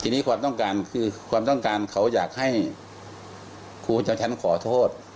ทีนี้ความต้องการคือความต้องการเขาอยากให้ครูเจ้าชั้นขอโทษ